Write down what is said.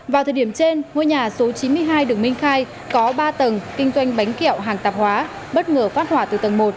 vào thời điểm trên ngôi nhà số chín mươi hai đường minh khai có ba tầng kinh doanh bánh kẹo hàng tạp hóa bất ngờ phát hỏa từ tầng một